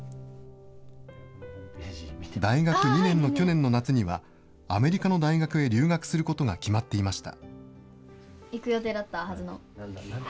大学２年の去年の夏には、アメリカの大学へ留学することが決まっていました。